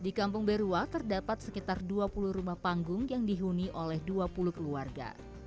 di kampung berua terdapat sekitar dua puluh rumah panggung yang dihuni oleh dua puluh keluarga